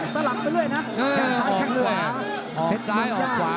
สลักไปเรื่อยนะแค่งซ้ายแค่งขวา